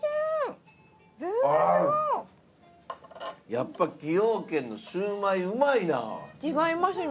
やっぱ崎陽軒のシウマイうまいな。